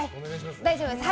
大丈夫です。